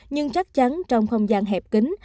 nhưng chắc chắn trong không gian hẹp kính